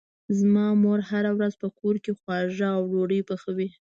زما مور هره ورځ په کور کې خواږه او ډوډۍ پخوي.